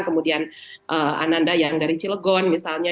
kemudian ananda yang dari cilegon misalnya